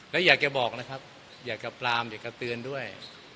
แล้วอยากจะบอกนะครับอยากจะปรามอยากจะเตือนด้วย